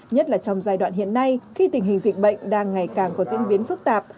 nhất là trong giai đoạn hiện nay khi tình hình dịch bệnh đang ngày càng có diễn biến phức tạp